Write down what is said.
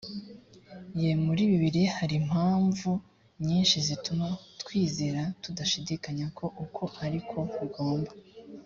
ye muri bibiliya hari impamvu nyinshi zituma twizera tudashidikanya ko uko ari ko bigomba